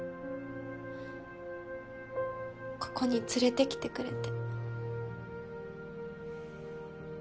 ここに連れてきてくれて。